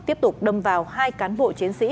tiếp tục đâm vào hai cán bộ chiến sĩ